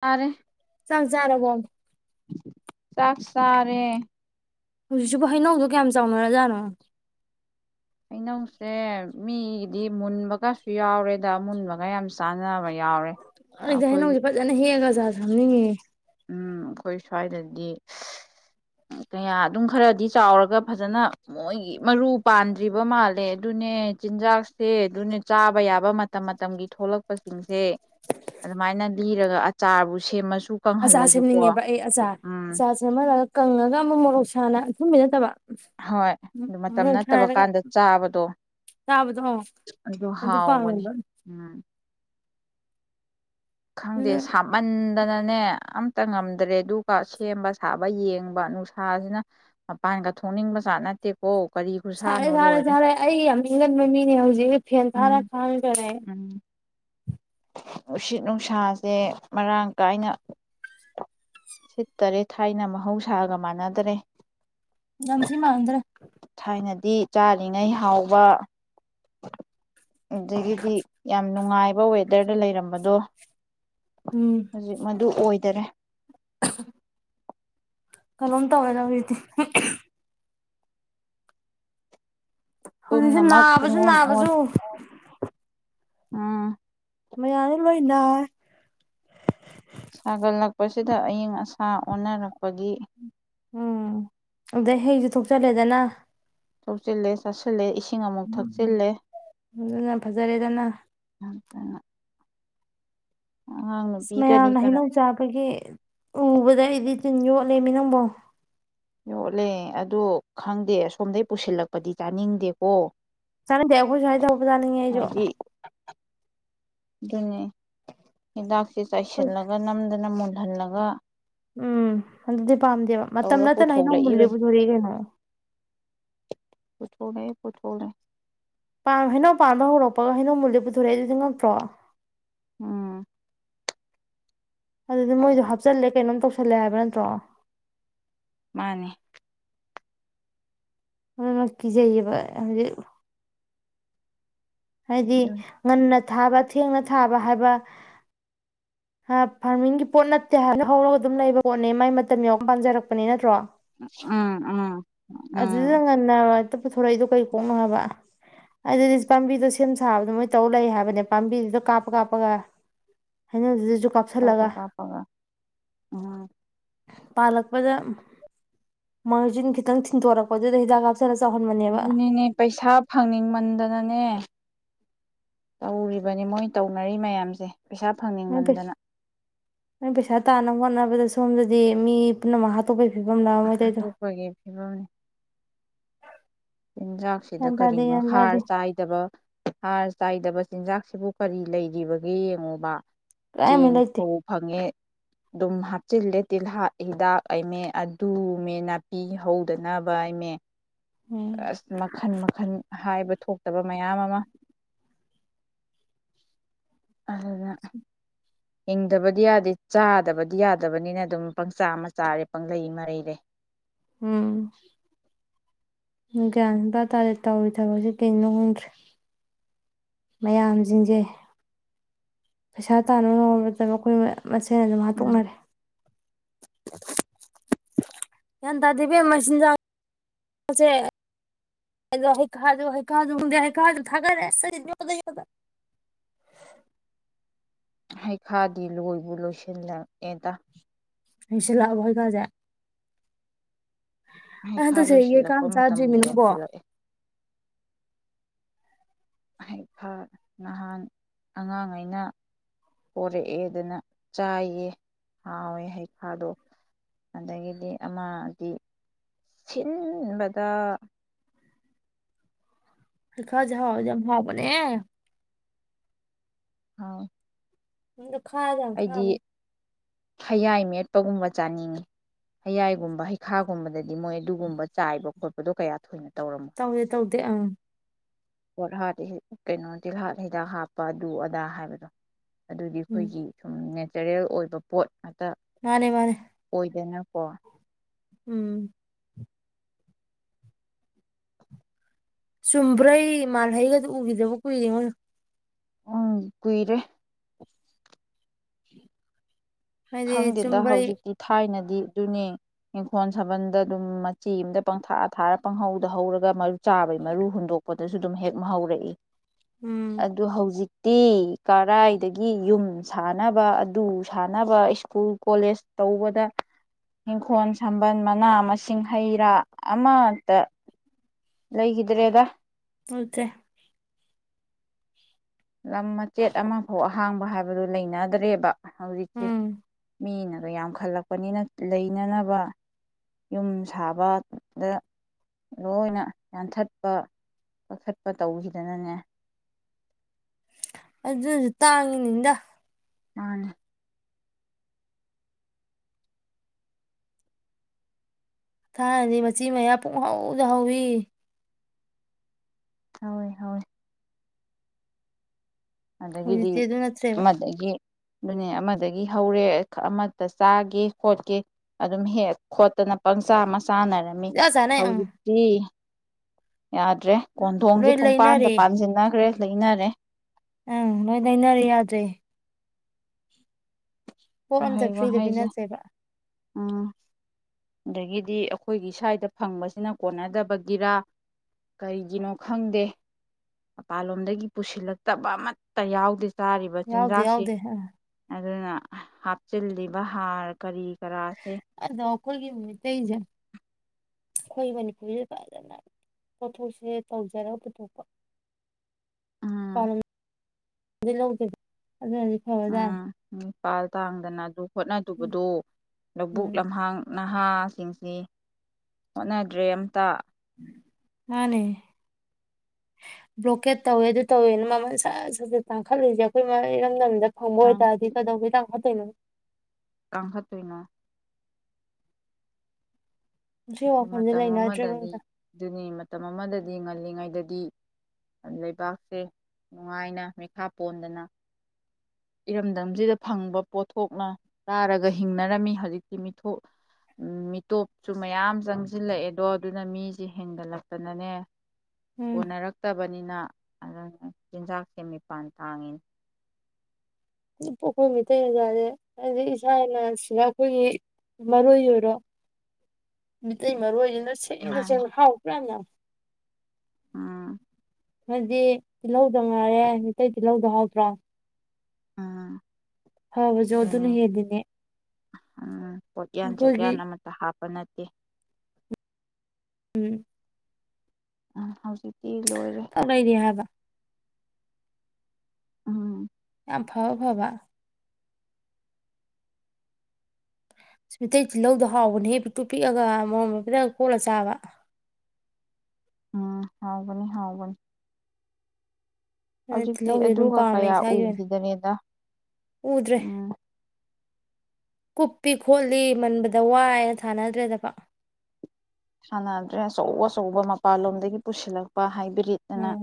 ꯁꯥꯥꯔꯦ ꯁꯁꯔꯒꯣ ꯆꯥꯛ ꯁꯥꯔꯦ ꯍꯧꯖꯤꯛꯁꯤꯕꯨ ꯍꯩꯅꯧꯗꯣ ꯀꯌꯥꯝ ꯆꯥꯎꯅꯔꯖꯥꯠꯅꯣ ꯑꯩꯅꯧꯁꯦ ꯃꯤꯒꯤꯗꯤ ꯃꯨꯟꯕꯒꯁꯨ ꯌꯥꯎꯔꯦꯗ ꯃꯨꯟꯕꯒ ꯌꯥꯝ ꯆꯥꯟꯅꯕꯅꯤ ꯅꯄꯥꯅ ꯍꯦꯒ ꯥꯖꯝ ꯅ ꯎꯝ ꯑꯩꯈꯣꯏ ꯁ꯭ꯋꯥꯏꯗꯗꯤ ꯀꯌꯥ ꯑꯗꯨꯝ ꯈꯔꯗꯤ ꯆꯥꯎꯔꯒ ꯐꯖꯅ ꯃꯣꯏꯒꯤ ꯃꯔꯨ ꯄꯥꯟꯗ꯭ꯔꯤꯕ ꯃꯥꯜꯂꯦ ꯑꯗꯨꯅꯦ ꯆꯤꯟꯖꯥꯛꯁꯦ ꯑꯗꯨꯅꯦ ꯆꯥꯕ ꯌꯥꯕ ꯃꯇꯝ ꯃꯇꯝꯒꯤ ꯊꯣꯛꯂꯛꯄꯁꯤꯡꯁꯦ ꯑꯗꯨꯃꯥꯏꯅ ꯂꯤꯔꯒ ꯑꯆꯥꯔꯕꯨ ꯁꯦꯝꯃꯁꯨ ꯑꯆꯥ ꯀꯪꯍꯜꯂꯁꯨꯀꯣ ꯁꯦꯝꯅꯤꯡꯉꯦꯕ ꯑꯩ ꯑꯆꯥ ꯎꯝ ꯑꯆꯥ ꯁꯦꯝꯃ ꯀꯪꯉꯒ ꯑꯃꯨꯛ ꯃꯣꯔꯣꯛ ꯁꯥꯅ ꯑꯊꯨꯝꯕꯤ ꯅꯠꯇꯕ ꯍꯣꯏ ꯑꯗꯨ ꯃꯇꯝ ꯃꯣꯔꯣꯛ ꯅꯠꯇꯕ ꯁꯥꯔꯒ ꯀꯥꯟꯗ ꯆꯥꯕꯗꯣ ꯆꯥꯕꯗꯣ ꯑꯗꯨ ꯍꯥꯎꯕꯅꯤ ꯎꯝ ꯈꯪꯗꯦ ꯑꯗꯨꯅ ꯁꯥꯃꯟ ꯗꯅꯅꯦ ꯑꯝꯇ ꯉꯝꯗ꯭ꯔꯦ ꯑꯗꯨꯒ ꯁꯦꯝꯕ ꯁꯥꯕ ꯌꯦꯡꯕ ꯅꯨꯡꯁꯥꯁꯤꯅ ꯃꯄꯥꯟꯒ ꯊꯣꯛꯅꯤꯡꯕ ꯆꯥꯠ ꯅꯠꯇꯦꯀꯣ ꯀꯔꯤ ꯈꯨꯁꯥꯅꯣ ꯁꯥꯔꯦ ꯁꯥꯔꯦ ꯂꯣꯏꯔꯦ ꯁꯥꯔꯦ ꯑꯩ ꯌꯥꯝ ꯏꯒꯟꯕ ꯃꯤꯅꯦ ꯍꯧꯖꯤꯛ ꯐꯦꯟ ꯎꯝ ꯊꯥꯔꯒ ꯈꯥꯗꯔꯦ ꯎꯁꯤꯠ ꯅꯨꯡꯁꯥꯁꯦ ꯃꯔꯥꯡ ꯀꯥꯏꯅ ꯁꯤꯠꯇꯔꯦꯠ ꯊꯥꯏꯅ ꯃꯍꯧꯁꯥꯒ ꯃꯥꯟꯅꯗ꯭ꯔꯦ ꯅꯝꯁꯤꯃꯗ꯭ꯔ ꯗꯤ ꯆꯥꯔꯤꯉꯩ ꯍꯥꯎꯕ ꯑꯗꯒꯤꯗꯤ ꯌꯥꯝ ꯅꯨꯡꯉꯥꯏ ꯍꯧ ꯗꯔꯗ ꯂꯩꯔꯝꯕꯗꯣ ꯎꯝ ꯍꯧꯖꯤꯛ ꯃꯗꯨ ꯑꯣꯏ ꯇꯔꯦ [inaudible] ꯀꯩꯅꯣꯝ ꯇꯧꯋꯦꯗ ꯍꯧꯖꯤꯗꯤ ꯍꯁꯨ ꯄꯨꯝꯅꯃꯛ ꯅꯅꯥ ꯑꯖꯨ ꯄꯨꯡꯑꯣꯟ ꯅꯅꯥꯕꯖꯨ ꯑꯥ ꯃꯌꯥꯝꯅ ꯂꯣꯏꯅ ꯁꯥꯒꯠꯂꯛꯄꯁꯤꯗ ꯑꯏ ꯑꯁꯥ ꯑꯣꯟꯅꯔꯛ ꯑꯩꯒꯤ ꯎꯝ ꯑꯗꯩ ꯍꯦꯛꯁꯨ ꯊꯣꯛꯆꯜꯂꯦꯗꯅ ꯁꯣꯁꯦ ꯂꯩꯦ ꯆꯠꯁꯤ ꯂꯩ ꯎꯝ ꯑꯗꯨꯅ ꯐꯖꯔꯦꯗꯅ ꯑ ꯑ ꯀꯔꯤ ꯃꯌꯥꯝꯅ ꯀꯔꯥ ꯍꯩꯅꯧ ꯆꯥꯕꯒꯤ ꯎꯕꯗ ꯑꯩꯗꯤ ꯆꯤꯟ ꯌꯣꯠꯂꯃꯤ ꯅꯪꯝꯕꯣ ꯌꯣꯠꯂꯦ ꯑꯗꯣ ꯈꯪꯗꯦ ꯁꯁꯣꯝꯗꯩ ꯄꯨꯁꯤꯜꯂꯛꯄꯗꯤ ꯆꯥꯅꯤꯡꯗꯦꯀꯣ ꯆꯠꯅꯗꯦ ꯑꯩꯈꯣꯏ ꯁꯨꯃꯥꯏꯅ ꯇꯧꯕ ꯆꯥꯠꯅꯤꯡꯉꯦ ꯑꯩꯁꯨ ꯅꯤ ꯂꯥꯛ ꯁꯦ ꯑꯩꯈꯣꯏ ꯆꯥꯏꯁꯤꯜꯂꯒ ꯅꯝꯗꯅ ꯃꯨꯟ ꯊꯂꯒ ꯎꯝ ꯑꯗꯨꯗꯤ ꯄꯥꯝꯗꯦꯕ ꯃꯇꯝ ꯇꯧꯔ ꯅꯠꯇꯅ ꯑꯩꯅ ꯃꯨꯜꯜꯂꯤꯕꯨꯊꯣꯔꯛ ꯀꯩꯅꯣ ꯄꯨꯣꯅꯦ ꯄꯨꯊꯣꯅꯦꯦ ꯍꯩꯅꯧ ꯄꯥꯟꯕ ꯍꯧꯔꯛꯄꯒ ꯍꯩꯅꯧ ꯃꯨꯜꯗꯤ ꯄꯨꯊꯣꯔꯛꯑꯦ ꯑꯗꯨꯗꯤ ꯉꯝꯛꯇ꯭ꯔꯣ ꯎꯝ ꯑꯗꯨꯗꯤ ꯃꯣꯏꯁꯨꯣ ꯍꯥꯞꯆꯜꯂꯦ ꯀꯩꯅꯣꯝ ꯇꯧꯁꯦ ꯁꯜꯂꯦ ꯍꯥꯏꯕ꯭ꯔꯥ ꯅꯠꯇ꯭ꯔꯣ ꯃꯥꯅꯤ ꯂꯀꯤ ꯆꯌꯦ ꯍꯥꯏꯗꯤ ꯑꯗꯨꯅꯤ ꯉꯟꯅ ꯊꯥꯕ ꯊꯦꯡꯅ ꯊꯥꯕ ꯍꯥꯏꯕ ꯍꯥ ꯐꯥꯔꯃꯤꯡꯒꯤ ꯄꯣꯠ ꯅꯠꯇꯦ ꯍꯥꯏꯕ ꯍꯧꯔꯒ ꯑꯗꯨꯝ ꯂꯩꯕ ꯄꯣꯠꯅꯦ ꯃꯥꯏ ꯃꯇꯝ ꯌꯎ ꯄꯥꯡꯖꯔꯛꯄꯅꯦ ꯅꯠꯇ꯭ꯔꯣ ꯎꯝ ꯎꯝ ꯑꯗꯨ ꯎꯝ ꯑꯗꯨꯁꯨ ꯉꯟꯅꯋꯥꯠ ꯄꯨꯊꯣꯔꯛꯏꯗꯣ ꯀꯩ ꯀꯣꯛꯅꯣ ꯍꯥꯏꯕ ꯑꯩ ꯑꯗꯨꯗꯤ ꯄꯥꯝꯕꯤꯗꯣ ꯁꯦꯝ ꯁꯥꯕꯗꯣ ꯃꯣꯏ ꯇꯧꯔ ꯂꯩ ꯍꯥꯏꯕꯅꯦ ꯄꯥꯝꯕꯤꯗꯨꯗ ꯀꯥꯞꯄ ꯀꯥꯞꯄꯒ ꯍꯥꯏꯩꯅ ꯁꯥꯄ ꯁꯥꯥꯄꯒ ꯎꯝ ꯄꯥꯂꯛꯄꯗ ꯃꯔꯖꯤꯟꯈꯤ ꯈꯤꯇꯪ ꯊꯤꯟꯊꯣꯔꯛꯄꯖꯤꯗ ꯍꯤꯗꯥꯛ ꯀꯥꯞ ꯑꯗꯨꯅꯦꯅꯦ ꯄꯩꯁꯥ ꯐꯪꯅꯤꯡꯃꯟꯗꯅꯅꯦ ꯇꯧꯔꯤꯕꯅꯤ ꯃꯣꯏ ꯇꯧꯅꯔꯤ ꯃꯌꯥꯝꯁꯦ ꯄꯩꯁꯥ ꯐꯪꯅꯤꯡꯃꯟꯗꯅ ꯅꯣꯏ ꯄꯩꯁꯥ ꯇꯥꯟꯅꯕ ꯍꯣꯠꯅꯕꯗ ꯁꯣꯝꯗꯗꯤ ꯃꯤ ꯄꯨꯝꯅꯃꯛ ꯍꯥꯠꯇꯣꯛꯄꯩ ꯐꯤꯕꯝ ꯂꯥꯛꯑ ꯃꯣꯏꯗꯩꯗꯣ ꯍꯥꯠꯇꯣꯞꯄꯒꯤ ꯐꯤꯕꯝꯅꯤ ꯆꯤꯟꯖꯥꯛꯁꯤꯗ ꯒ꯭ꯌꯥꯟ ꯇꯥꯗꯦ ꯀꯔꯤꯅꯣ ꯒ꯭ꯌꯥꯟ ꯇꯥꯗꯦ ꯍꯥꯔ ꯆꯥꯏꯗꯕ ꯍꯥꯔ ꯆꯥꯏꯗꯕ ꯆꯤꯟꯖꯥꯛꯁꯤꯕꯨ ꯀꯔꯤ ꯂꯩꯔꯤꯕꯒꯦ ꯌꯦꯡꯉꯣꯕ ꯀꯔꯤꯝ ꯆꯦꯡ ꯂꯩꯇꯦ ꯐꯧ ꯐꯪꯉꯦ ꯑꯗꯨꯝ ꯍꯥꯞꯆꯤꯜꯂꯦ ꯇꯤꯜꯍꯥꯠ ꯍꯤꯗꯥꯛ ꯑꯩꯃꯦ ꯑꯗꯨꯃꯦ ꯅꯥꯄꯤ ꯍꯧꯗꯅꯕ ꯑꯩꯃꯦ ꯎꯝ ꯑꯁ ꯃꯈꯟ ꯃꯈꯜ ꯍꯥꯏꯕ ꯊꯣꯛꯇꯕ ꯃꯌꯥꯝ ꯑꯃ ꯑꯗꯨꯅ ꯍꯤꯡꯗꯕꯗꯤ ꯌꯥꯗꯦ ꯆꯥꯗꯕꯗꯤ ꯌꯥꯗꯕꯅꯤꯅ ꯑꯗꯨꯝ ꯄꯪꯆꯥ ꯃꯆꯥꯔꯦ ꯄꯪꯂꯩ ꯃꯔꯩꯔꯦ ꯎꯝ ꯒ꯭ꯌꯥꯟ ꯁꯨꯡꯇꯥ ꯇꯥꯗꯦ ꯇꯧꯔꯤ ꯊꯕꯛꯁꯦ ꯀꯩꯅꯣ ꯈꯪꯗ꯭ꯔꯦ ꯃꯌꯥꯝꯁꯤꯡꯁꯦ ꯄꯩꯁꯥ ꯇꯥꯟꯅꯕ ꯃꯇꯝꯗ ꯑꯩꯈꯣꯏ ꯃꯁꯦꯟ ꯑꯗꯨꯝ ꯎꯝ ꯍꯥꯠꯇꯣꯛꯅꯔꯦ [inaudible] ꯭ꯌꯥꯗꯦ ꯏꯕꯦꯝꯃ ꯃꯆꯤꯟꯖꯥꯛ ꯍꯩꯥ ꯍꯩꯥ ꯈꯗꯦ ꯍꯩ ꯈꯥ ꯊꯥꯒꯠꯔꯦ ꯑꯁ ꯗ ꯍꯩꯈꯥꯗꯤ ꯂꯣꯏꯕꯨ ꯂꯣꯏꯁꯤꯜꯂꯛꯑꯦꯗ ꯂꯣꯏꯁꯤꯜꯂꯛꯑꯕꯣ ꯍꯩꯒꯖꯦ ꯍꯩꯈꯥ ꯂꯣꯏꯁꯤꯜꯂꯛꯄ ꯃꯇꯝꯕꯨ ꯌꯧꯁꯤꯜꯂꯛꯑꯦ ꯍꯩꯈꯥ ꯅꯍꯥꯟ ꯑꯉꯥꯡ ꯑꯩꯅ ꯄꯣꯔꯛꯑꯦꯗꯅ ꯆꯥꯏꯌꯦ ꯍꯥꯎꯑꯦ ꯍꯩꯈꯥꯗꯣ ꯑꯗꯒꯤꯗꯤ ꯑꯃꯗꯤ ꯁꯤꯟꯕꯗ ꯍꯩꯈꯥꯖꯦ ꯍꯥꯎꯔꯗꯤ ꯌꯥꯝ ꯍꯥꯥꯎꯕꯅꯦ ꯍꯥ ꯎ ꯈꯥꯔꯗꯤ ꯌꯥꯝ ꯈꯥꯕ ꯍꯌꯥꯏ ꯃꯦꯠꯄꯒꯨꯝꯕ ꯆꯥꯅꯤꯡꯉꯤ ꯍꯌꯥꯏꯒꯨꯝꯕ ꯍꯩꯈꯥꯒꯨꯝꯕꯗꯤ ꯃꯣꯏ ꯑꯗꯨꯒꯨꯝꯕ ꯆꯥꯏꯕ ꯈꯣꯄꯗꯣ ꯀꯌꯥ ꯊꯣꯏꯅ ꯇꯧꯗꯦ ꯇꯧꯗꯦ ꯑꯥ ꯄꯣꯠꯍ ꯀꯩꯅꯣ ꯇꯤꯜꯍꯥꯠ ꯍꯤꯗꯥꯛ ꯍꯥꯞꯄ ꯑꯗꯨ ꯑꯗꯥ ꯍꯥꯏꯕꯗꯣ ꯑꯗꯨꯗꯤ ꯎꯝ ꯑꯩꯈꯣꯏꯒꯤ ꯅꯦꯆꯔꯦꯜ ꯑꯣꯏꯕ ꯄꯣꯠ ꯉꯥꯛꯇ ꯃꯥꯅꯦ ꯃꯥꯅꯦ ꯑꯗꯨꯗꯅ ꯀꯣ ꯎꯝ ꯆꯨꯝꯕ꯭ꯔꯩ ꯃꯥꯜꯍꯩꯒꯗꯤ ꯎꯒꯤꯗꯕ ꯀꯨꯏꯔꯦꯉꯣ ꯎꯝ ꯀꯨꯏꯔꯦ ꯍꯥꯏꯗꯤ ꯈꯪꯗꯦꯗ ꯆꯨꯝꯕ꯭ꯔꯩ ꯍꯧꯖꯤꯛꯇꯤ ꯊꯥꯏꯅ ꯑꯗꯨꯅꯦ ꯏꯪꯈꯣꯜ ꯁꯥꯕꯜꯗ ꯑꯗꯨꯝ ꯃꯆꯤ ꯑꯃꯗ ꯄꯪꯊꯥꯛꯑ ꯊꯥꯔ ꯄꯪꯍꯧꯗ ꯍꯧꯧꯔꯒ ꯆꯥꯕꯩ ꯃꯔꯨ ꯍꯨꯟꯗꯣꯛ ꯄꯣꯠꯇꯁꯨ ꯑꯗꯨꯝ ꯍꯦꯛ ꯍꯧꯔꯛꯏ ꯎꯝ ꯑꯗꯨ ꯍꯧꯖꯤꯛ ꯇꯤ ꯀꯔꯥꯏꯗꯒꯤ ꯌꯨꯝ ꯁꯥꯟꯅꯕ ꯑꯗꯨ ꯁꯥꯟꯅꯕ ꯁ꯭ꯀꯨꯜ ꯀꯣꯂꯦꯖ ꯇꯧꯕꯗ ꯏꯪꯈꯣꯜ ꯁꯥꯝꯕꯟ ꯃꯅꯥ ꯃꯁꯤꯡ ꯍꯩ ꯔꯥ ꯑꯃꯇ ꯂꯩꯈꯤꯗ꯭ꯔꯦꯗ ꯍꯗꯦ ꯂꯝ ꯃꯆꯦꯠ ꯑꯃꯐꯥꯎ ꯑꯍꯥꯡꯕ ꯍꯥꯏꯕꯗꯨ ꯂꯩꯅꯗ꯭ꯔꯦꯕ ꯍꯧꯖꯤꯛꯁꯤ ꯎꯝ ꯃꯤꯅ ꯑꯣ ꯌꯥꯝꯈꯜꯂꯛꯄꯅꯤꯅ ꯂꯩꯅꯅꯕ ꯌꯨꯝ ꯁꯥꯕꯗ ꯂꯣꯏꯅ ꯌꯥꯟꯊꯠꯄ ꯀꯛꯈꯠꯄ ꯇꯧꯈꯤꯗꯅꯅꯦ ꯑꯗꯨꯁꯨ ꯇꯥꯡꯉꯤꯅꯤꯗ ꯃꯥꯅꯤ ꯊꯥꯏꯅꯗꯤ ꯃꯆꯤ ꯃꯌꯥ ꯄꯨꯡꯍꯥꯎꯗꯍꯧꯋꯤ ꯍꯣꯏ ꯍꯣꯏ ꯑꯗꯒꯤꯗꯤ ꯍꯧꯖꯤꯛꯇꯤ ꯑꯗꯨ ꯅꯠꯇ꯭ꯔꯦꯕ ꯑꯃꯗꯒꯤ ꯑꯗꯨꯅꯦ ꯑꯃꯗꯒꯤ ꯍꯧꯔꯦ ꯑꯃꯠꯇ ꯆꯥꯒꯦ ꯈꯣꯠꯀꯦ ꯑꯗꯨꯝ ꯍꯦꯛ ꯈꯣꯠꯇꯅ ꯄꯪꯆꯥ ꯑꯃ ꯆꯥꯟꯅꯔꯝꯃꯤ ꯏꯆꯥ ꯆꯥꯅꯩ ꯑꯪ ꯍꯧꯖꯤꯛꯇꯤ ꯌꯥꯗ꯭ꯔꯦ ꯀꯣꯟꯊꯣꯡꯁꯦ ꯂꯣꯏ ꯄꯨꯡꯄꯥꯟꯗ ꯂꯩꯅꯔꯦ ꯄꯥꯟꯁꯤꯟꯅꯈ꯭ꯔꯦ ꯂꯩꯅꯔꯦ ꯑꯪ ꯅꯣꯏ ꯅꯩꯅꯔ ꯌꯥꯗꯦ ꯍꯣ ꯑꯝꯇ ꯋꯥꯍꯩ ꯐ꯭ꯔꯤꯗ ꯋꯥꯍꯩꯁꯦ ꯄꯤꯅꯁꯦꯕ ꯎꯝ ꯑꯗꯒꯤꯗꯤ ꯑꯩꯈꯣꯏꯒꯤ ꯁ꯭ꯋꯥꯏꯗ ꯐꯪꯕꯁꯤꯅ ꯑꯝ ꯑꯗꯒꯤꯗꯤ ꯑꯈꯣꯏꯒꯤ ꯁꯨꯋꯥꯏꯗ ꯐꯪꯕꯁꯤꯅꯥ ꯀꯣꯟꯅꯗꯕꯒꯤꯔ ꯀꯔꯤꯒꯤꯅꯣ ꯈꯪꯗꯦ ꯃꯄꯥꯟꯂꯣꯝꯗꯒꯤ ꯄꯨꯁꯤꯜꯂꯛꯇꯕ ꯑꯃꯠꯇ ꯌꯥꯎꯗꯦ ꯆꯥꯔꯤꯕ ꯌꯥꯎꯗ ꯆꯤꯟꯖꯥꯛꯁꯤ ꯌꯥꯎꯗ ꯍꯥꯏ ꯑꯗꯨꯅ ꯍꯥꯞꯆꯤꯜꯂꯤꯕ ꯍꯥꯔ ꯀꯔꯤ ꯀꯔꯥꯁꯦ ꯑꯗꯣ ꯑꯩꯈꯣꯏꯒꯤ ꯃꯇꯩꯁꯦ ꯑꯩꯈꯣꯏ ꯃꯅꯤꯄꯨꯁꯦ ꯐꯖꯅ ꯄꯣꯠꯊꯣꯛꯁꯦ ꯇꯧꯖꯔꯒ ꯄꯨꯊꯣꯛꯄ ꯎꯝ ꯄꯂ ꯑꯗꯨꯔꯗꯤ ꯐꯕꯖꯥꯅꯤ ꯄꯜ ꯇꯥꯡꯗꯅ ꯑꯗꯨ ꯍꯣꯠꯅꯗꯕꯗꯣ ꯂꯧꯕꯨꯛ ꯎꯝ ꯂꯝꯍꯥꯡ ꯅꯍꯥꯁꯤꯡꯁꯤ ꯍꯣꯠꯅꯗ꯭ꯔꯦ ꯑꯃꯝꯇ ꯃꯥꯅꯦ ꯕ꯭ꯂꯣꯀꯦꯠ ꯇꯧꯋꯦ ꯑꯗꯨ ꯇꯧꯋꯦꯅ ꯃꯃꯜ ꯁꯠ ꯁꯠ ꯁ ꯇꯥꯡꯈꯠꯂꯤꯁꯦ ꯑꯩꯈꯣꯏ ꯏꯔꯝꯗꯝ ꯈ ꯐꯪꯝꯕꯑꯣꯏ ꯇꯥꯗꯤ ꯀꯗꯧꯒꯤ ꯇꯥꯡꯈꯠ ꯇꯣꯏꯅꯣ ꯀꯥꯡꯪꯍ ꯇꯣꯏꯅ ꯁꯤ ꯑꯗꯨ ꯋꯥꯈꯜꯁꯦ ꯃꯇꯝ ꯂꯩꯅꯗ꯭ꯔꯦꯕ ꯑꯃꯗꯗꯤ ꯑꯝꯇ ꯑꯗꯨꯅꯤ ꯃꯇꯝ ꯑꯃꯗꯗꯤ ꯉꯜꯂꯤꯉꯩ ꯗꯗꯤ ꯂꯩꯕꯥꯛꯁꯦ ꯅꯨꯡꯉꯥꯏꯅ ꯃꯤꯈꯥ ꯄꯣꯟꯗꯅ ꯏꯔꯝꯗꯝꯁꯤꯗ ꯐꯪꯕ ꯄꯣꯠꯊꯣꯛꯅ ꯇꯥꯔꯒ ꯍꯤꯡꯅꯔꯝꯃꯤ ꯍꯧꯖꯤꯛꯇꯤ ꯃꯤꯊꯣꯞ ꯃꯤꯇꯣꯞꯁꯨ ꯃꯌꯥꯝ ꯆꯪꯁꯤꯜꯂꯛꯑꯦ ꯑꯗꯣ ꯑꯗꯨꯅ ꯃꯤꯁꯦ ꯍꯦꯟꯒꯠꯂꯛꯛꯇꯅꯅꯦ ꯎꯝ ꯀꯣꯟꯅꯔꯛꯇꯕ ꯅꯤꯅ ꯑꯗꯨꯅ ꯆꯤꯟꯖꯥꯛꯁꯦ ꯃꯤꯄꯥꯟ ꯇꯥꯡꯉꯤꯅꯤ ꯄ ꯑꯩꯈꯣꯏ ꯃꯤꯇꯩ ꯑꯣꯖꯥꯁꯦ ꯍꯥꯏꯗꯤ ꯏꯁꯥꯅ ꯁꯤꯗ ꯑꯩꯈꯣꯏꯒꯤ ꯃꯔꯣꯏ ꯑꯣꯏꯔꯣ ꯃꯤꯇꯩ ꯃꯔꯣꯏꯁꯤꯅ ꯁꯦꯡꯅ ꯁꯦꯡꯅ ꯍꯥꯎ ꯀ꯭ꯔꯥꯅ ꯑꯥ ꯃꯁꯤ ꯇꯤꯜꯍꯧꯗ ꯉꯥꯏꯔꯦ ꯃꯩꯇꯩ ꯇꯤꯜꯍꯧꯗ ꯍꯕ꯭ꯔꯣ ꯎꯝ ꯑꯗꯨꯅ ꯑꯗꯨꯅꯤ ꯍꯦꯜꯂꯤꯅꯦ ꯎꯝ ꯄꯣꯠꯌꯥꯟ ꯑꯩꯈꯣꯏꯒꯤ ꯆꯣꯠꯌꯥꯟ ꯑꯃꯠꯇ ꯍꯥꯞꯄ ꯅꯠꯇꯦ ꯑꯣ ꯎꯝ ꯑ ꯍ ꯇꯧ ꯂꯩꯔꯤ ꯍꯥꯏꯕ ꯎꯝ ꯐꯥꯎ ꯐꯕ ꯁ ꯃꯩꯇꯩ ꯇꯤꯜꯍꯧꯗꯣ ꯍꯥꯎꯕꯅꯦꯍꯦ ꯄꯤꯛꯇꯨ ꯄꯤꯛꯑꯒ ꯑꯃꯝ ꯃꯐꯦꯠꯇꯪ ꯀꯣꯛꯂ ꯆꯥꯕ ꯎꯝ ꯍꯥꯎꯒꯅꯤ ꯍꯥꯎꯒꯅꯤ ꯑꯗꯨꯅ ꯍꯧꯖꯤꯛꯇꯤ ꯇꯤꯜꯍꯧꯁꯦ ꯑꯗꯨꯝ ꯑꯗꯨꯒ ꯄꯥꯝꯃꯦ ꯀꯌꯥ ꯏꯁꯥꯒꯤ ꯑꯣꯏꯅ ꯎꯈꯤꯗꯅꯤꯗ ꯎꯗ꯭ꯔꯦ ꯎꯝ ꯀꯨꯞꯄꯤ ꯈꯣꯠꯂꯤ ꯃꯟꯕꯗ ꯋꯥꯏꯅ ꯊꯥꯅꯗ꯭ꯔꯦꯗꯕ ꯁꯥꯟꯅꯗ꯭ꯔꯦ ꯑꯆꯧ ꯑꯆꯧꯕ ꯃꯄꯥꯟꯂꯣꯝꯗꯒꯤ ꯄꯨꯁꯤꯜꯂꯛꯄ ꯍꯥꯏ ꯎꯝ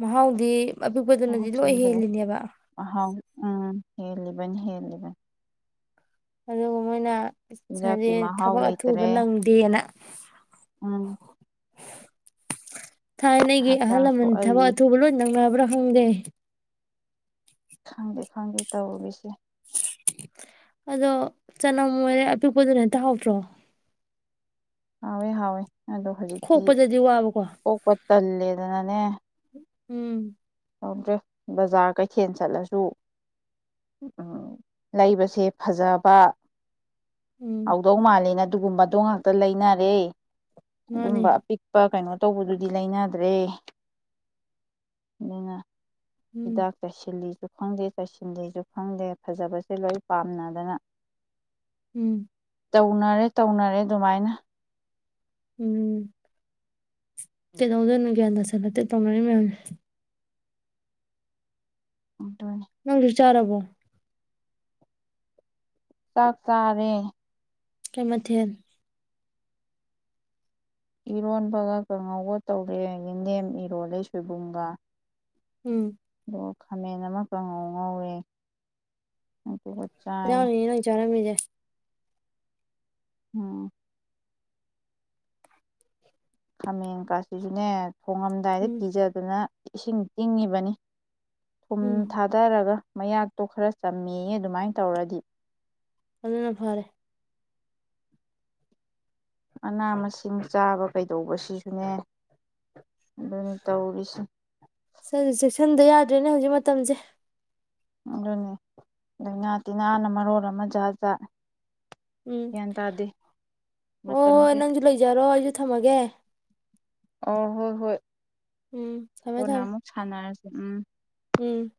ꯃꯍꯥꯎꯗꯤ ꯑꯄꯤꯛꯄꯗꯨꯅꯗꯤ ꯂꯣꯏ ꯍꯨꯠꯆꯤꯟꯈ꯭ꯔꯦ ꯍꯦꯜꯂꯤꯅꯦꯕ ꯃꯍꯥꯎ ꯎꯝ ꯍꯦꯜꯂꯤꯕꯅꯤ ꯍꯦꯜꯂꯤꯕꯅꯤ ꯑꯗꯨꯒ ꯃꯣꯏꯅ ꯍꯥꯏꯗꯤ ꯆꯤꯟꯖꯥꯛꯀꯤ ꯃꯍꯥꯎ ꯊꯕꯛ ꯑꯊꯨꯕ ꯂꯩꯇꯔꯦ ꯅꯪꯗꯦꯅ ꯎꯝ ꯊꯥꯏꯅ ꯑꯩꯒꯤ ꯑꯍꯜ ꯍꯛꯆꯥꯡ ꯂꯃꯟ ꯊꯕꯛ ꯁꯣꯛꯍꯜꯂꯤ ꯑꯊꯨꯕ ꯂꯣꯏ ꯅꯪꯅꯕ꯭ꯔꯥ ꯍꯪꯗꯦ ꯈꯪꯗꯦ ꯈꯪꯗꯦ ꯇꯧꯔꯨꯔꯤꯁꯦ ꯑꯗꯣ ꯆꯅꯝꯔꯦ ꯑꯄꯤꯛꯄꯗꯨꯅ ꯍꯦꯛꯇ ꯍꯕ꯭ꯔꯣ ꯍꯋꯦ ꯍꯋꯦ ꯑꯗꯣ ꯍꯧꯖꯤꯛꯇꯤ ꯈꯣꯛꯄꯗꯗꯤ ꯋꯥꯕꯀꯣ ꯄꯣꯛꯄ ꯇꯂꯦꯗ ꯅꯅꯦ ꯎꯝ ꯌꯥꯧꯗ꯭ꯔꯦ ꯕꯖꯥꯔ ꯀꯩꯊꯦꯜ ꯆꯠꯂꯁꯨ ꯂꯩꯕꯁꯦ ꯐꯖꯕ ꯎꯝ ꯍꯧꯗꯧ ꯃꯥꯜꯂꯤꯅ ꯑꯗꯨꯒꯨꯝꯕꯗꯣ ꯉꯥꯛꯇ ꯂꯩꯅꯔꯦ ꯃꯥꯅꯤ ꯑꯗꯨꯝꯕ ꯑꯄꯤꯛꯄ ꯀꯩꯅꯣ ꯑ ꯇꯧꯕꯗꯨꯗꯤ ꯂꯩꯅꯗ꯭ꯔꯦ ꯑꯗꯨꯅ ꯎꯝ ꯍꯤꯗꯥꯛ ꯇꯩꯁꯜꯂꯤ ꯈꯪꯗꯦ ꯆꯩꯁꯤꯟꯗꯦꯁꯨ ꯈꯪꯗꯦ ꯐꯖꯕꯁꯦ ꯂꯣꯏ ꯄꯥꯝꯅꯗꯅ ꯎꯝ ꯇꯧꯅꯔꯦ ꯇꯧꯅꯔꯦ ꯑꯗꯨꯃꯥꯏꯅ ꯎꯝ ꯀꯗ ꯑꯣꯗꯅ ꯀꯗꯁꯤꯦꯂ ꯇꯅ ꯃ ꯑꯗꯨꯅꯤ ꯅꯪ ꯆꯔꯔꯕꯣ ꯆꯥꯛꯇꯥꯥꯔꯦ ꯀꯃꯊꯦꯜ ꯏꯔꯣꯟꯕꯒ ꯀꯪꯉꯧꯕ ꯇꯧꯔꯦ ꯌꯦꯅꯦꯝ ꯏꯔꯣꯂꯦ ꯁꯣꯏꯕꯨꯝꯒ ꯎꯝ ꯑꯣ ꯈꯥꯃꯦꯟ ꯑꯃꯈꯉꯧ ꯉꯧꯔꯦ ꯑꯗꯨꯒ ꯆꯥꯏ ꯅ ꯌꯦꯅꯖ ꯑꯔꯝꯗꯦ ꯑꯣ ꯍꯥꯃꯤꯡ ꯀꯁꯤ ꯆꯨꯅꯦꯠ ꯍꯣꯡꯉꯝꯗꯥꯏꯗ ꯎꯝ ꯀꯤꯖꯗꯨꯅ ꯏꯁꯤꯡ ꯇꯤꯡꯉꯤꯕꯅꯤ ꯊꯨꯝ ꯎꯝ ꯊꯥꯗꯔꯒ ꯃꯌꯥꯛꯇꯣ ꯈꯔ ꯆꯝꯃꯦ ꯑꯗꯨꯃꯥꯏꯅ ꯇꯧꯔꯗꯤ ꯑꯗꯨꯅ ꯐꯔꯦ ꯃꯅꯥ ꯃꯁꯤꯡ ꯆꯥꯕ ꯀꯩꯗꯧꯕ ꯁꯤꯁꯨꯅꯦ ꯑꯗꯨꯅꯤ ꯇ ꯑꯣꯔꯤꯁꯤ ꯁ ꯆꯦꯛꯁꯤꯟꯗ ꯌꯥꯗ꯭ꯔꯦꯅꯦ ꯍꯧꯖꯤꯛ ꯃꯇꯝꯁꯦ ꯑꯗꯨꯅꯤ ꯂꯥꯏꯅꯥ ꯇꯤꯟꯅꯥꯅ ꯃꯔꯣꯟ ꯑꯃ ꯖꯥꯠ ꯆꯖꯥ ꯎꯝ ꯍꯣꯏ ꯍꯣꯏ ꯃꯇꯝꯁꯦ ꯅꯪꯁꯨ ꯂꯩꯖꯔꯣ ꯑꯩꯁꯨ ꯊꯝꯃꯒꯦ ꯑ ꯍꯣꯏ ꯍꯣꯏ ꯎꯝ ꯊꯃꯦ ꯀꯣꯟꯅ ꯊꯝ ꯑꯃꯨꯛ ꯁꯥꯟꯅꯔꯁꯦ ꯎꯝ ꯎꯝ